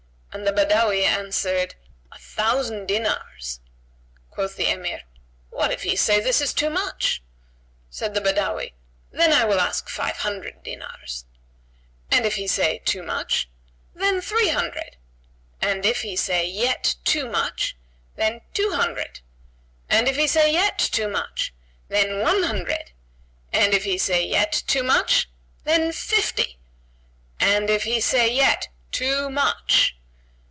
and the Badawi answered, "A thousand dinars." Quoth the Emir, "What if he say this is too much?" Said the Badawi, "Then I will ask five hundred dinars." "And if he say, too much?" "Then three hundred!" "And if he say yet, too much?" "Then two hundred!" "And if he say yet, too much?" "Then one hundred!" "And if he say yet, too much?" "Then, fifty!" "And if he say yet, too much?"